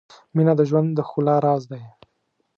• مینه د ژوند د ښکلا راز دی.